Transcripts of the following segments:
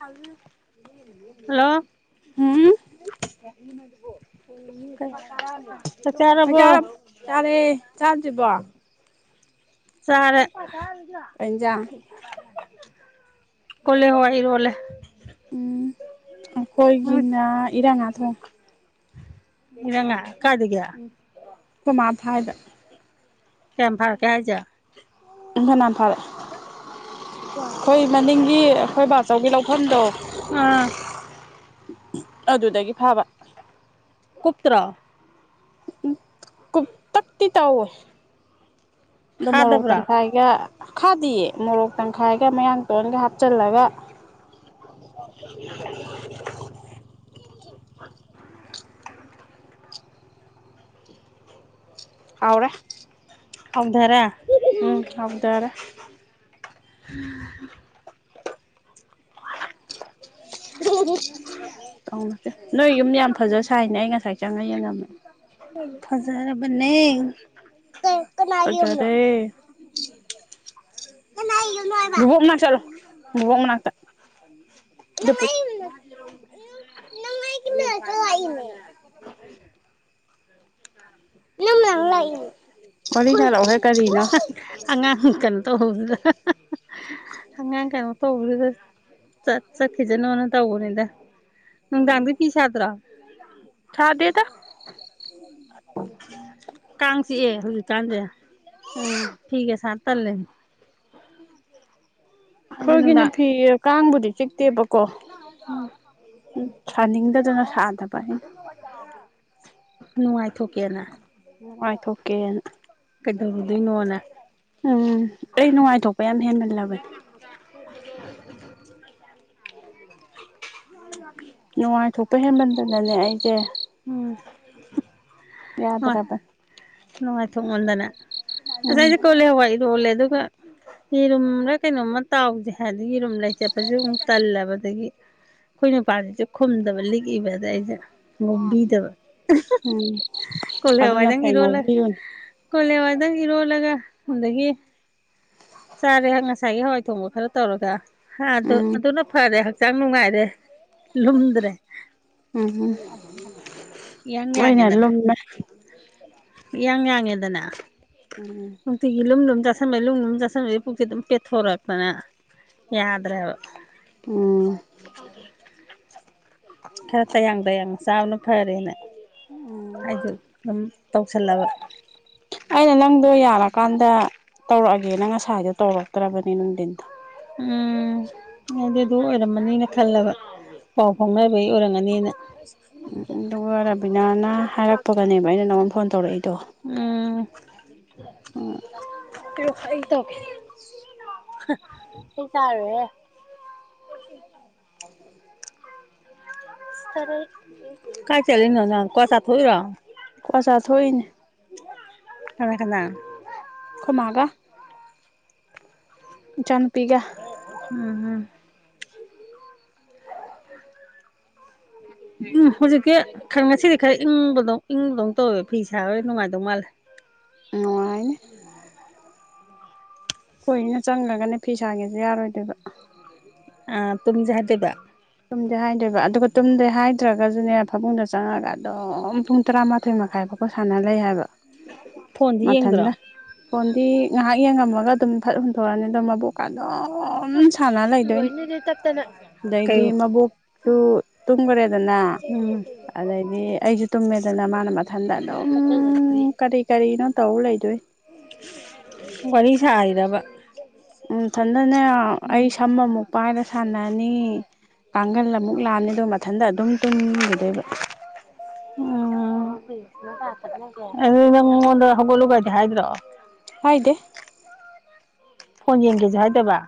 Hello ꯎꯝ ꯆꯥꯛ ꯆꯥꯔꯕꯕꯣ ꯆꯥꯔꯕ ꯆꯥꯔꯦ ꯆꯥꯗ꯭ꯔꯤꯕꯣ ꯆꯥꯔꯦ ꯀꯩ ꯏꯟꯖꯥꯡ [inaudible] ꯀꯣꯜꯂꯤ ꯍꯋꯥꯏ ꯏꯔꯣꯂꯦ ꯎꯝ ꯑꯩꯈꯣꯏꯒꯤꯅ ꯏꯔꯥꯡ꫰ꯉꯥ ꯊꯣꯡꯉꯦ ꯏꯔꯥꯛ ꯉꯥ ꯀꯥꯏꯗꯒꯤ ꯑꯍꯣꯏ ꯃꯥ ꯐꯥꯔꯤꯕꯥ ꯀꯌꯥꯝ ꯐꯥꯔꯛꯀꯦ ꯍꯥꯏꯖ ꯎ ꯐꯅꯥꯟ ꯐꯥꯔꯛꯑꯦ ꯑꯩꯈꯣꯏ ꯃꯅꯤꯡꯒꯤ ꯑꯩꯈꯣꯏ ꯕꯥꯆꯧꯒꯤ ꯂꯧꯐꯝꯗꯣ ꯑꯥ ꯑꯗꯨꯗꯒꯤ ꯐꯕ ꯀꯨꯄꯇꯔꯣ ꯎ ꯀꯨꯄꯇꯥꯛꯇꯤ ꯇꯎ ꯏ ꯑꯗꯣ ꯃꯣꯔꯣꯛ ꯈꯥꯗꯕ꯭ꯔꯣ ꯇꯪꯈꯥꯏꯒꯥ ꯈꯥꯗꯤꯌꯦ ꯃꯣꯔꯣꯛ ꯇꯪꯈꯥꯏꯒ ꯃꯌꯥꯡ ꯇꯤꯟꯒꯥ ꯍꯥꯞꯆꯤꯜꯂꯒ [unintelligible] ꯍꯥꯎꯔꯦ [inaudible] ꯎꯝ ꯍꯥꯎꯔꯦ [inaudible] [unintelligible] ꯇꯧꯁꯦ ꯅꯣꯏ ꯌꯨꯝ ꯌꯥꯝ ꯐꯖꯁꯥ ꯁꯥꯏꯅ ꯑꯩ ꯉꯁꯥꯏ ꯆꯪꯉꯒ ꯌꯦꯡꯉꯝꯃꯦ꯫ ꯐꯖꯥꯔꯕꯅꯦ꯫ [unintelligible] ꯀꯩ ꯀꯅꯥꯒꯤ ꯌꯨꯝꯅꯣ ꯐꯖꯔꯦ [unintelligible] ꯀꯅꯥꯏ ꯌꯨꯝꯅꯣ ꯍꯥꯏꯕ ꯑꯣ ꯆꯠꯂꯣ ꯕꯣꯕꯣꯛ ꯃꯅꯥꯛꯇ ꯅꯪ ꯑꯩ ꯅꯪ ꯑꯩꯒꯤ ꯃꯅꯥꯛꯇ ꯂꯥꯛꯂꯤꯅꯦ꯫ [unintelligible] ꯅꯪ ꯅꯥꯛ ꯂꯥꯛꯏꯅꯦ [unintelligible] ꯑꯉꯥꯡ ꯀꯩꯅꯣ ꯇꯧꯕꯗꯨꯗ ꯑꯉꯥꯡ ꯀꯩꯅꯣ ꯇꯧꯕꯗꯨꯗ ꯆꯠ ꯆꯠꯈꯤꯁꯅꯣ ꯇꯧꯕꯅꯤꯗ꯫ ꯅꯨꯡꯗꯥꯡꯗ ꯐꯤ ꯁꯥꯗꯔꯣ꯫ ꯁꯥꯗꯦꯗ ꯀꯥꯡ ꯆꯤꯛꯑꯦ ꯍꯧꯖꯤꯛꯀꯥꯟꯖꯦ꯫ ꯑꯩꯈꯣꯏꯒꯤꯅ ꯐꯤꯒ ꯁꯥ ꯇꯜꯂꯦ꯫ ꯈꯨꯜꯒꯤꯅ ꯐꯤ ꯀꯥꯡꯕꯨꯗꯤ ꯆꯤꯛꯇꯦꯕ ꯀꯣ ꯎꯝ ꯁꯥꯅꯤꯡꯗꯗꯅ ꯁꯥꯟ [unintelligible] ꯅꯨꯉꯥꯏꯊꯣꯛꯀꯦꯅ꯫ ꯅꯨꯉꯥꯏꯊꯣꯛꯀꯦꯅ꯫ ꯀꯩꯗꯧꯔꯨꯗꯣꯏꯅꯣꯅ ꯎꯝ ꯑꯩ ꯅꯨꯉꯥꯏꯊꯣꯛꯄ ꯌꯥꯝ ꯍꯦꯟꯃꯜꯂꯕꯅꯦ [unintelligible] ꯅꯨꯉꯥꯏ ꯊꯣꯛꯄ ꯍꯦꯟꯃꯟ ꯗꯅꯅꯦ ꯑꯩꯖꯦ ꯎꯝ ꯍꯣꯏ ꯌꯥꯗ꯭ꯔꯕꯅꯦ ꯅꯨꯉꯥꯏ ꯊꯣꯛꯃꯟꯗꯅ ꯑꯗꯨ ꯎꯝ ꯑꯩ ꯀꯣꯂꯤ ꯍꯋꯥꯏ ꯏꯔꯣꯜꯂꯦ ꯑꯗꯨ [unintelligible] ꯌꯦꯔꯨꯝꯂ ꯀꯩꯅꯣꯝꯃ ꯇꯥꯎꯁꯦ ꯍꯥꯏꯔꯗꯤ ꯌꯦꯔꯨꯝ ꯂꯩ꯫ ꯆꯠꯄꯁꯨꯨ ꯑꯃꯨꯛ ꯇꯜꯂꯕ ꯑꯗꯒꯤ ꯑꯩꯈꯣꯏ ꯅꯨꯄꯥꯥꯁꯤꯁꯨ ꯈꯨꯝꯗꯕ ꯂꯤꯛꯏꯕ ꯑꯗ ꯑꯩꯖꯦ ꯉꯧꯕꯤꯗꯕ ꯎꯝ ꯀꯣꯂꯤ ꯑꯗꯨꯅ ꯐꯩ ꯉꯧꯕꯤꯌꯨꯅꯨ ꯗꯪ ꯏꯔꯣꯂꯒ ꯑꯗꯒꯤ ꯆꯥꯔꯦ ꯍ ꯉꯁꯥꯏꯒꯤ ꯍꯋꯥꯏ ꯊꯣꯡꯕ ꯈꯔ ꯇꯧꯔꯒ ꯍꯥ ꯑꯗꯣ ꯎꯝ ꯑꯗꯨꯅ ꯐꯔꯦ ꯍꯛꯆꯥꯡ ꯅꯨꯡꯉꯥꯏꯔꯦ ꯂꯨꯝꯗ꯭ꯔꯦ ꯎꯝꯍꯨꯝ ꯏꯌꯥꯡ ꯑꯣꯏꯅꯦ ꯌꯥꯡꯉꯦꯗꯅ ꯂꯨꯝꯃꯦ ꯏꯌꯥꯡ ꯌꯥꯡꯉꯦꯗꯅ ꯎꯝ ꯅꯨꯡꯇꯤꯒꯤ ꯂꯨꯝ ꯂꯨꯝ ꯆꯥꯁꯟ ꯊꯃꯦ ꯂꯨꯝ ꯂꯨꯝ ꯆꯥꯁꯟꯕꯩ ꯑꯩ ꯄꯨꯛꯁꯦ ꯑꯗꯨꯝ ꯄꯦꯊꯣꯔꯛꯇꯅ ꯌꯥꯗ꯭ꯔꯦ ꯍꯥꯏꯕ ꯎꯝ ꯈꯔ ꯇꯌꯥꯡ ꯇꯌꯥꯡ ꯆꯥꯕꯅ ꯐꯔꯦꯅ ꯎꯝ ꯑꯩꯁꯨ ꯑꯗꯨꯝ ꯇꯧꯁꯜꯂꯕ ꯂꯥꯛꯀꯥꯟꯗ ꯇꯧꯔꯛꯑꯒꯦꯅ ꯉꯁꯥꯏꯗꯣ ꯇꯧꯔꯛꯇ꯭ꯔꯕꯅꯦ ꯅꯨꯡꯗꯤꯟꯗꯣ ꯎꯝ ꯑꯩꯗꯤ ꯑꯗꯨ ꯑꯣꯏꯔꯝꯃꯅꯤꯅ ꯈꯜꯂꯕ ꯄꯥꯎ ꯐꯥꯎꯅꯕꯩ ꯑꯣꯏꯔꯝꯒꯅꯤꯅ ꯎꯝ ꯎꯝ ꯑꯗꯨꯒ ꯔꯕꯤꯅꯥꯅ ꯍꯥꯏꯔꯛꯄꯒꯅꯦꯕ ꯑꯩꯅ ꯅꯪꯉꯣꯟꯗ ꯐꯣꯟ ꯇꯧꯔꯛꯏꯗꯣ ꯎꯝ [unintelligible] ꯀꯩ ꯑꯩ ꯇꯧꯒꯦ ꯁꯤ ꯇꯥꯏꯔꯣꯏ ꯍꯦ ꯀꯥꯏ ꯆꯂꯤꯅꯣ ꯅꯪ ꯀ꯭ꯌꯥ ꯆꯥ ꯊꯣꯛꯏꯔꯣ ꯀ꯭ꯋꯥ ꯆꯥ ꯊꯣꯛꯏꯅꯦ ꯀꯅꯥ ꯀꯅꯥ ꯑꯩꯈꯣꯏ ꯏꯆꯥꯅꯨ ꯎꯝ ꯎꯝ ꯎꯝ ꯍꯧꯖꯤꯛꯇꯤ ꯈꯔ ꯉꯁꯤꯗꯤ ꯈꯔ ꯏꯪꯕꯗꯧ ꯏꯪ ꯕꯗꯧ ꯇꯧꯋꯦ ꯐꯤ ꯁꯥꯔꯣꯏ ꯅꯨꯡꯉꯥꯏꯗꯧ ꯃꯥꯜꯂꯦ ꯅꯨꯡꯉꯥꯏꯅꯤ ꯀꯣꯏꯅ ꯆꯪꯉꯒꯅꯦ ꯐꯤ ꯁꯥꯒꯦꯁ ꯌꯥꯔꯣꯏꯗꯣꯏꯕ ꯑꯥ ꯇꯨꯝꯁꯦ ꯍꯥꯏꯗꯣꯏꯕ ꯇꯨꯝꯗꯦ ꯍꯥꯏꯗꯣꯏꯕ ꯑꯗꯨꯒ ꯇꯨꯝꯗꯦ ꯍꯥꯏꯗ꯭ꯔꯒꯁꯨꯅꯦ ꯐꯃꯨꯡꯗ ꯆꯪꯉꯒ ꯑꯗꯨꯝ ꯄꯨꯡ ꯇꯔꯥꯃꯥꯊꯣꯏ ꯃꯈꯥꯏꯐꯥꯎꯕ ꯁꯥꯟꯅ ꯂꯩ ꯍꯥꯏꯕ ꯐꯣꯟꯗꯤ ꯌꯦꯡꯗ꯭ꯔꯣ ꯃꯊꯟꯗ ꯐꯣꯟꯗꯤ ꯉꯥꯏꯍꯥꯛ ꯌꯦꯡꯉꯝꯃꯒ ꯑꯗꯨꯝ ꯐꯠ ꯍꯨꯟꯗꯣꯛꯑꯅꯤ ꯑꯗꯣ ꯃꯕꯨꯛꯀꯥ ꯑꯗꯨꯝ ꯑꯁ ꯁꯥꯟꯅ ꯂꯣꯏꯔꯅꯤ ꯑꯗꯨꯗꯤ ꯇꯠꯇꯅ ꯍꯥꯏꯗꯤ ꯃꯕꯣꯛꯁꯨ ꯇꯨꯝꯈ꯭ꯔꯦꯗꯅ ꯎꯝ ꯑꯗꯩꯗꯤ ꯑꯩꯁꯨ ꯇꯨꯝꯃꯦꯗꯅ ꯃꯥꯅ ꯃꯊꯟꯗ ꯑꯗꯨꯝ ꯀꯔꯤ ꯀꯔꯤꯅꯣ ꯇꯧ ꯂꯩꯗꯣꯏ ꯋꯥꯔꯤ ꯁꯥꯔꯤꯔꯕ ꯃꯊꯟ ꯑꯗꯨꯅꯦ ꯑꯩ ꯎꯝ ꯁꯝꯃ ꯑꯃꯨꯛ ꯄꯥꯏꯔ ꯁꯥꯟꯅꯅꯤ ꯀꯥꯡ ꯃꯈꯜ ꯑꯃꯨꯛ ꯂꯥꯛꯑꯥꯅꯦꯗꯣ ꯏꯊꯟꯗ ꯑꯗꯨꯝ ꯇꯨꯝꯈꯤꯗꯣꯏꯕ ꯑꯗꯨꯗꯤ ꯅꯪꯉꯣꯟꯗ ꯍꯧꯒꯠꯂꯨ ꯀꯗꯤ ꯍꯥꯏꯗ꯭ꯔꯣ ꯍꯥꯏꯗꯦ ꯐꯣꯟ ꯌꯦꯡꯒꯦꯁꯨ ꯍꯥꯏꯗꯕ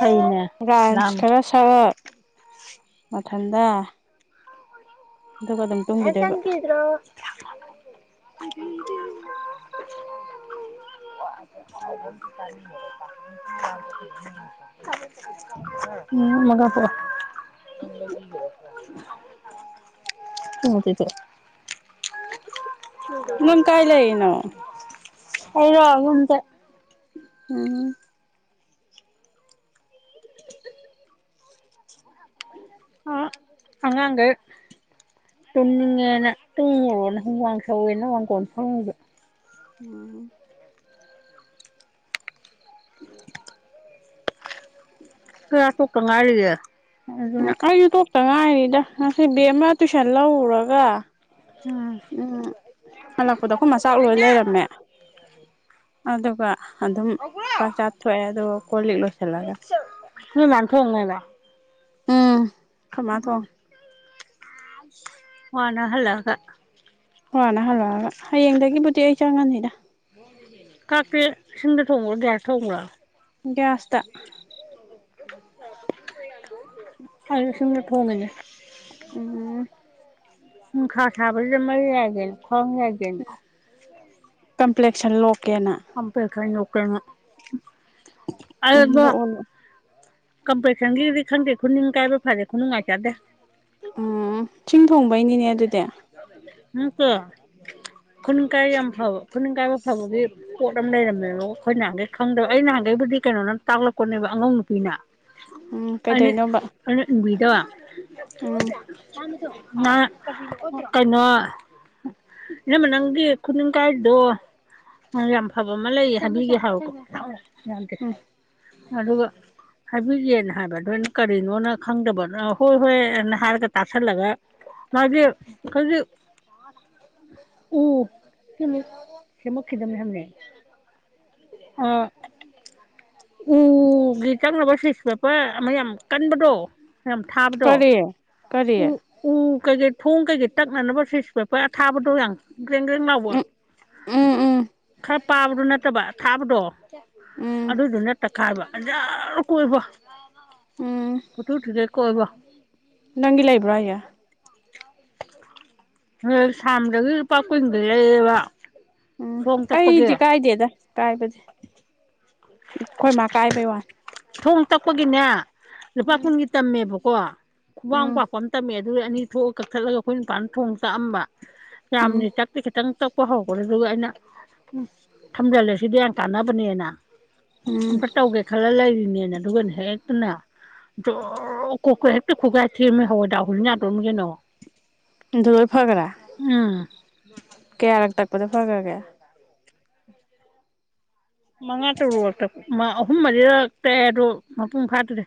[inaudible] [inaudible] ꯕꯔ꯭ꯥꯁ ꯂꯥꯡꯉꯨ ꯈꯔ [inaudible] ꯃꯊꯟꯇꯥ [inaudible] ꯀꯗ꯭ꯔꯣ [inaudible] [inaudible] [inaudible] ꯅꯪ ꯀꯥꯏ ꯂꯩꯔꯤꯅꯣ ꯑꯩꯔꯣ ꯌꯨꯝꯗꯥ ꯎꯝ [inaudible] ꯑꯥ ꯑꯉꯥꯡꯒꯩ [inaudible] ꯇꯨꯝꯅꯤꯡꯉꯦꯅ ꯇꯣꯝꯃꯨꯔꯣꯅ ꯍꯨꯃꯥꯡ ꯁꯧꯏꯅꯥ ꯃꯥꯡꯉꯣꯜ ꯐꯝꯃꯤꯕꯥ ꯎꯝ [inaudible] ꯆꯥꯛ ꯇꯣꯛꯇ ꯉꯥꯏꯔꯤꯌꯦ ꯎꯝ ꯑꯗꯨꯅ [inaudible] ꯉꯁꯤ ꯕꯦꯝ ꯑꯃ ꯇꯨꯏꯁꯟ ꯂꯧꯔꯔꯒ ꯎꯝ ꯎꯝ ꯍꯜꯂꯛꯄꯗ ꯑꯩꯈꯣꯏ ꯃꯆꯥꯛ ꯂꯣꯏ ꯂꯩꯔꯝꯃꯦ ꯑꯗꯨꯒ ꯑꯗꯨꯝ ꯆꯥꯛ ꯆꯥꯊꯣꯛꯑꯦ ꯑꯗꯨꯒ ꯀꯣꯜ ꯂꯤꯛ ꯂꯣꯏꯁꯤꯜꯂꯒ ꯅꯣꯏ ꯃꯅꯥ ꯊꯣꯛꯉꯦꯕꯥ ꯎꯝ ꯑꯈꯣꯏ ꯃꯥ ꯊꯣꯛꯉꯦ ꯋꯥꯅ ꯍꯜꯂꯛꯑꯒꯥ ꯋꯥꯅ ꯍꯜꯂꯛꯑꯒ ꯍꯌꯦꯡꯗꯒꯤꯕꯨꯗꯤ ꯑꯩ ꯆꯪꯉꯅꯤꯗ ꯆꯥꯛꯇꯤ ꯁꯤꯁꯤꯡꯗꯥ ꯊꯣꯡꯕꯔꯣ ꯒꯥꯁ ꯇꯥ ꯊꯣꯡꯕꯔꯣ ꯒꯥꯁꯇꯥ ꯑꯩꯁꯨ ꯁꯤꯡꯗꯥ ꯊꯣꯡꯉꯤꯅꯦ ꯎꯝ ꯍꯨꯡꯁꯥ ꯁꯥꯥꯕꯁꯤꯗꯥ ꯃꯩ ꯌꯥꯏꯒꯦꯅꯥ [inaudible] ꯀꯝꯄ꯭ꯂꯦꯛꯁꯟ ꯂꯣꯛ ꯑꯝ ꯄ ꯈꯩꯅꯣ ꯀꯩꯅꯣ ꯑꯝꯅ ꯑꯣꯟꯂ ꯀꯝꯄ꯭ꯂꯦꯁꯟꯒꯤꯗꯤ ꯈꯪꯗꯦ ꯈꯨꯅꯤꯡ ꯀꯥꯏꯕ ꯐꯗꯦ ꯈꯨꯅꯨꯡꯉꯥꯏ ꯆꯥꯗꯦ ꯑꯝꯝ ꯁꯤꯡ ꯊꯣꯡꯕꯩꯅꯤꯅꯦ ꯑꯗꯨꯗꯤ ꯅꯠꯇꯦ ꯈꯨꯅꯤꯡ ꯀꯥꯏꯕ ꯌꯥꯝ ꯐꯕ ꯈꯨꯅꯤꯡ ꯀꯥꯏꯕ ꯐꯕꯒꯤ ꯄꯣꯠ ꯑꯃ ꯂꯩꯔꯝꯃꯦꯕꯣ ꯑꯩꯈꯣꯏ ꯅꯍꯥꯟꯒꯩ ꯈꯪꯗꯕ ꯑꯩ ꯅꯍꯥꯟꯒꯩꯕꯨꯗꯤ ꯀꯩꯅꯣ ꯅ ꯇꯥꯛꯂꯛꯄꯅꯦꯕ ꯑꯉꯧ ꯅꯨꯄꯤꯅ ꯎꯝ ꯑꯩꯅ ꯀꯩꯗꯩꯅꯣꯕ ꯏꯟꯕꯤꯗꯣ ꯎꯝ ꯅꯔ ꯀꯩꯅꯩꯅꯣ ꯑꯦꯅꯝꯃ ꯅꯪꯒꯤ ꯈꯨꯅꯤꯡ ꯀꯨꯅꯤꯡ ꯀꯥꯔꯤꯗꯣ ꯌꯥꯝ ꯐꯕ ꯑꯃ ꯂꯩꯌꯦ ꯍꯥꯏꯕꯤꯒꯦ ꯍꯥꯏꯎꯀꯣ ꯌꯥꯗꯦ ꯎꯝ ꯑꯗꯨꯒ ꯍꯥꯏ ꯍꯨꯏ ꯌꯦ ꯍꯥꯏꯕꯗꯣ ꯀꯔꯤꯅꯣꯅ ꯈꯪꯗꯕ ꯍꯣꯏ ꯍꯣꯏꯅ ꯍꯥꯏꯔꯒ ꯇꯥꯁꯜꯂꯒ ꯃꯥꯖ ꯑꯈꯣꯒ ꯎ ꯁꯦꯃꯨꯛ ꯁꯦꯃꯨꯛꯈꯤꯗꯕꯅꯦ ꯍꯅꯦ ꯑ ꯎꯒꯤ ꯇꯥꯛꯅꯕ ꯁꯤꯁ ꯄꯦꯄ ꯑꯃ ꯌꯥꯝ ꯀꯟꯕꯗꯣ ꯌꯥꯝ ꯊꯥꯕꯗꯣ ꯀꯔꯤ ꯀꯔꯤ ꯎ ꯎ ꯀꯩ ꯀꯩ ꯊꯣꯡ ꯀꯩꯀꯩ ꯇꯛꯅꯅꯕ ꯁꯤꯁ ꯄꯦꯄ ꯑꯊꯥꯕꯗꯣ ꯌꯥꯝ ꯒꯦꯡꯒꯦꯡ ꯂꯥꯎꯕ ꯎꯝ ꯎꯝ ꯎꯝ ꯈꯔ ꯄꯥꯕꯗꯣ ꯅꯠꯇꯕꯗꯣ ꯑꯊꯕꯥꯗꯣ ꯎꯝ ꯑꯗꯨꯗꯨꯅ ꯇ ꯈꯥꯏꯕ ꯑꯟꯖꯥꯠꯔ ꯀꯣꯏꯕꯣ ꯎꯝ ꯃꯇꯨ ꯊꯤꯖꯟ ꯀꯣꯏꯕ ꯅꯪꯒꯤ ꯂꯩꯕ꯭ꯔꯣ ꯑꯩꯌꯦ ꯑꯝ ꯁꯝꯗꯒꯤ ꯂꯨꯄꯥ ꯀꯨꯟꯒ ꯂꯩꯌꯦꯕ ꯑꯝ ꯊꯣꯡ ꯇꯛꯄꯒꯤ ꯑꯩꯗꯤ ꯀꯥꯏꯗꯦꯗ ꯀꯥꯏꯕꯗꯤ ꯍꯣꯏ ꯃꯥ ꯀꯥꯏꯕꯒꯤ ꯋꯥꯅꯤ ꯊꯣꯡ ꯇꯛꯄꯒꯤꯅꯦ ꯂꯄꯥ ꯎꯝ ꯀꯨꯟꯒꯤ ꯇꯝꯃꯦ ꯋꯥ ꯈꯨꯕꯥꯛ ꯃꯨꯛ ꯎꯝ ꯄꯛꯄ ꯇꯝꯃꯦ ꯅꯣꯏ ꯑꯅꯤ ꯊꯣꯛꯑꯒ ꯀꯛꯊꯠꯂꯒ ꯑꯩꯈꯣꯏ ꯅꯨꯄꯥꯥꯟꯗ ꯊꯣꯡ ꯆꯥꯛꯑꯝꯕ ꯌꯥꯝꯗꯦ ꯎꯝ ꯆꯪꯛꯇꯦ ꯈꯤꯇꯪ ꯆꯛꯄ ꯍꯧꯈ꯭ꯔꯦ ꯑꯗꯨꯒ ꯑꯩꯅ ꯎ ꯊꯝꯖꯤꯜꯂꯦ ꯁꯤꯗꯤ ꯌꯥꯝ ꯀꯥꯟꯅꯕꯅꯦꯅ ꯎꯝ ꯑꯃꯨꯀ ꯇꯧꯒꯦ ꯈꯜꯂ ꯂꯩꯔꯤ ꯅꯦꯅ ꯑꯗꯨꯒꯅꯦ ꯍꯦꯛꯇꯅꯦ ꯖꯣꯔ ꯀꯣꯛꯀ ꯍꯦꯛꯇ ꯈꯨꯒꯥꯏ ꯊꯦꯝꯔꯝꯅꯀ ꯍꯋꯥꯏꯗ꯭ꯔꯥꯛ ꯍꯨꯜ ꯌꯥꯗꯣꯔꯝꯅꯤ ꯀꯩꯅꯣ ꯗꯣ ꯂꯣꯏ ꯐꯒ꯭ꯔꯦ ꯎꯝ ꯀꯌꯥꯔꯛ ꯇꯛ ꯄꯗ ꯐꯒ꯭ꯔꯒꯦ ꯃꯉꯥ ꯇꯔꯨꯛꯔꯛ ꯇꯛ ꯃ ꯑꯍꯨꯝ ꯃꯔꯤꯔꯛ ꯇꯛꯑꯦ ꯑꯗꯣ ꯃꯄꯨꯡ ꯐꯥꯗ꯭ꯔꯤ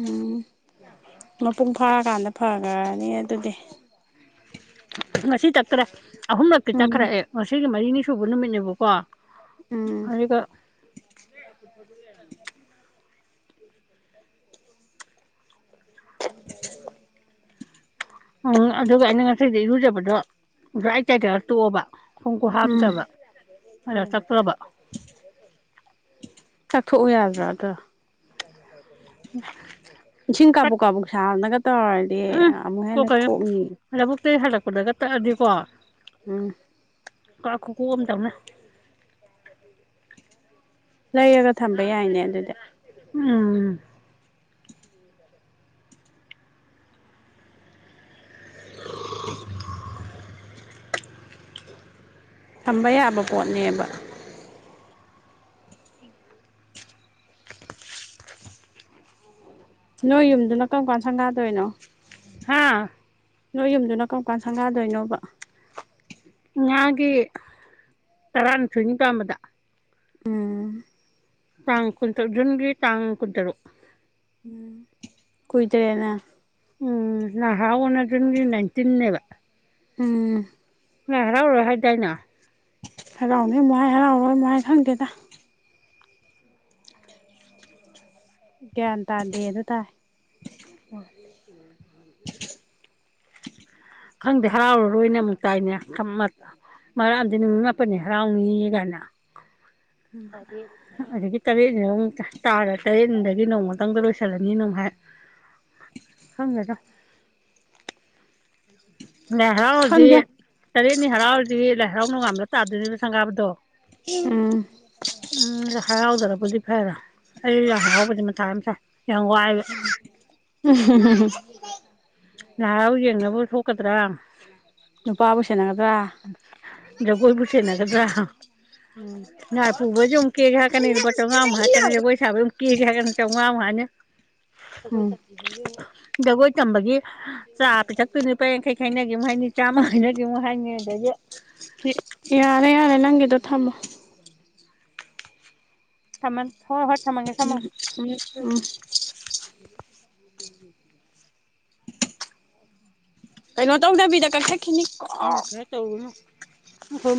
ꯎꯝ ꯃꯄꯨꯡ ꯐꯥꯔꯀꯥꯟꯗ ꯐꯈꯒ꯭ꯔꯅꯤ ꯑꯗꯨꯗꯤ ꯉꯁꯤ ꯇꯛꯇ꯭ꯔꯦ ꯑꯍꯨꯝꯂꯛꯇꯤ ꯎꯝ ꯇꯛꯈꯔꯦ ꯑꯩ ꯉꯁꯤꯒꯤ ꯃꯔꯤꯅꯤ ꯁꯨ ꯁꯨꯕ ꯅꯨꯃꯤꯠꯅꯦꯕꯀꯣ ꯎꯝ ꯑꯗꯨꯒ [unintelligible] [unintelligible] ꯎꯝ ꯑꯗꯨꯒ ꯑꯩꯅ ꯉꯁꯤꯗ ꯏꯔꯨꯖꯕꯗꯣ ꯖ꯭ꯋꯥꯏ ꯆꯥꯏꯊꯔ ꯇꯣꯛꯑꯕ ꯈꯣꯡꯈꯨ ꯍꯥꯝꯗꯕ ꯎꯝ ꯑꯗꯨꯗ ꯇꯛꯇ꯭ꯔꯕ ꯊꯣꯛꯎ ꯌꯥꯗ꯭ꯔꯥ ꯑꯗꯣ [unintelligible] ꯏꯁꯤꯡ ꯇꯛ ꯀꯥꯕꯨꯛ ꯀꯥꯕꯨꯛ ꯁꯥꯍꯟꯅꯒ ꯇꯧꯔꯗꯤ ꯎꯝ ꯑꯃꯨꯛ ꯍꯦꯟꯅ ꯀꯣꯛꯅꯤ ꯇꯛꯑ ꯗꯤꯀꯣ ꯎꯝ ꯀ ꯈꯨꯀꯣꯛ ꯑꯝ ꯇꯧꯅꯤ ꯂꯩꯔꯒ ꯊꯝꯕ ꯌꯥꯏꯅꯦ ꯑꯗꯨꯗꯤ ꯎꯝ [unintelligible] ꯊꯝꯕ ꯌꯥꯕ [unintelligible] ꯄꯣꯠꯅꯦꯕ ꯂ ꯊꯥꯕꯤ ꯅꯣꯏ ꯌꯨꯝꯗꯨꯅ ꯀꯝꯀꯥꯟ ꯁꯪꯒꯥꯗꯣꯏꯅꯣ ꯍꯥꯥ ꯅꯣꯏ ꯌꯨꯝꯗꯨꯅ ꯀꯝ ꯀꯥꯟ ꯁꯪꯒꯥꯗꯣꯏꯅꯣꯕ ꯏꯉꯥꯒꯤ ꯇꯔꯥꯅꯤꯊꯣꯏꯅꯤ ꯄꯥꯟꯕꯝꯕꯗ ꯎꯝ ꯇꯥꯡ ꯀꯨꯟꯇꯔꯨꯛ ꯖꯨꯟꯒꯤ ꯇꯥꯡ ꯀꯨꯟꯇꯔꯨꯛ ꯀꯨꯏꯗꯇ꯭ꯔꯦꯅ ꯎꯝ ꯅꯍꯥ ꯑꯣꯅ ꯖꯨꯟꯒꯤ ꯅꯥꯏꯟꯇꯤꯟꯅꯦꯕ ꯎꯝ ꯂꯥꯏ ꯍꯔꯥꯎꯔꯣꯏ ꯍꯥꯏꯗꯥꯏꯅꯦ ꯍꯔꯥꯎꯅꯤ ꯃꯨꯜꯍꯟꯕ ꯍꯥꯏ ꯍꯔꯥꯎꯔꯣꯏ ꯃꯨꯛ ꯍꯥꯏ ꯈꯪꯗꯦꯗ ꯒ꯭ꯌꯥꯟ ꯇꯗꯦꯗꯣ ꯇꯥꯏ ꯋꯥ [unintelligible] ꯈꯪꯗꯦ ꯍꯔꯥꯎꯔꯔꯣꯏꯅ ꯑꯃꯨꯛ ꯇꯥꯏꯅꯦ ꯃꯔꯛ ꯑꯝꯗꯤ ꯅꯨꯃꯤꯠ ꯃꯥꯄꯟꯅꯤ ꯍꯔꯥꯎꯅꯤ ꯀꯥꯏꯅ ꯎꯝ ꯍꯥꯏꯗꯤ ꯑꯗꯒꯤ ꯇꯔꯦꯠꯏꯢꯌꯨꯡ ꯇꯥꯔ ꯇꯔꯦꯠꯅꯤꯗꯒꯤ ꯅꯣꯡꯃꯇꯪꯗ ꯂꯣꯏꯁꯤꯜꯂꯅꯤ ꯅꯃꯨꯛ ꯍꯥꯏ ꯈꯪꯒꯦꯗ꯫ ꯂꯥꯏ ꯍꯔꯥꯎꯔꯗꯤ ꯈꯪꯗꯦ ꯇꯔꯦꯠꯅꯤ ꯍꯔꯥꯎꯗꯤ ꯂ ꯍꯔꯥꯎ ꯅꯨꯡꯉꯥꯝꯕꯗ ꯇꯥꯗꯣꯏꯅꯦꯕ ꯁꯪꯒꯥꯕꯗꯣ ꯎꯝ ꯎꯝ ꯍꯔꯥꯎꯗ꯭ꯔꯕꯨꯗꯤ ꯐꯔꯦ ꯑꯩ ꯂꯥꯏ ꯍꯔꯥꯎꯕꯗꯤ ꯃꯊꯥ ꯌꯥꯝ ꯁꯥꯏ ꯌꯥꯝ ꯋꯥꯏꯕ ꯎꯝ ꯍꯨꯝ ꯝ ꯝ ꯂꯥꯏ ꯍꯥꯔꯥꯎ ꯌꯦꯡꯅꯕꯕꯨ ꯊꯣꯛꯀꯗ꯭ꯔꯥ ꯅꯨꯄꯥꯕꯨ ꯁꯦꯟꯅꯒꯗ꯭ꯔꯥ ꯖꯒꯣꯏꯕꯨ ꯁꯦꯟꯅꯒꯗ꯭ꯔꯥ ꯑ ꯎꯝ ꯉꯥ ꯄꯨꯕꯩꯁꯨꯨ ꯄꯨꯛ ꯀꯦꯒꯦ ꯍꯥꯢꯔꯛꯀꯅꯤ ꯂꯨꯄꯥ ꯆꯧꯉꯥ ꯃꯨꯛ ꯍꯥꯏꯔꯛꯀꯅꯤ ꯖꯒꯣꯏ ꯁꯥꯕꯩ ꯃꯨꯛ ꯀꯦꯒꯦ ꯍꯥꯏꯔꯛꯀꯅꯤ꯫ ꯆꯧꯉꯥ ꯃꯍꯥꯅꯤ ꯖꯒꯣꯏ ꯎꯝ ꯇꯝꯕꯤꯕꯒꯤ ꯑꯃꯨꯛ ꯖꯒꯣꯏ ꯇꯝꯕꯒꯤ ꯆꯥ ꯄꯤꯊꯛꯇꯣꯏꯅꯦ ꯂꯨꯄꯥ ꯌꯥꯡꯈꯩ ꯈꯥꯏꯅꯒꯤ ꯑꯃꯨꯛ ꯍꯥꯏꯅꯤ ꯆꯥꯝꯃ ꯈꯥꯏꯅꯒꯦ ꯑꯃꯨꯛ ꯍꯥꯏꯅꯤ ꯑꯗꯒꯤ ꯌꯥꯔꯦ ꯌꯥꯔꯦ ꯅꯪꯒꯤꯗꯣ ꯊꯝꯃꯣ꯫ ꯊꯃꯟ ꯍꯣ ꯍꯣ ꯎꯝ ꯎꯝ ꯎꯝ ꯀꯩꯅꯣ ꯇꯧꯗꯕꯤꯗ ꯀꯛꯊꯠ ꯏꯅꯤ ꯀꯣ ꯍꯨꯝ ꯍꯝ